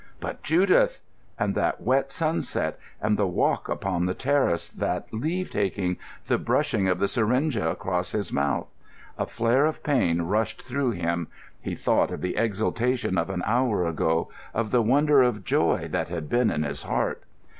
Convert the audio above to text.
But Judith! And that wet sunset, and the walk upon the terrace, that leave taking, the brushing of the syringa across his mouth! A flare of pain rushed through him. He thought of the exultation of an hour ago, of the wonder of joy that had been in his heart.